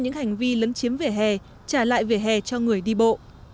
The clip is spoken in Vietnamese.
những hành vi lấn chiếm vỉa hè trả lại vỉa hè cho người đi bộ